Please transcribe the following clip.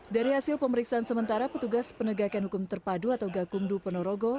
dari hasil pemeriksaan sementara petugas penegakan hukum terpadu atau gakumdu ponorogo